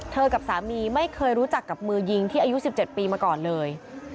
กับสามีไม่เคยรู้จักกับมือยิงที่อายุ๑๗ปีมาก่อนเลย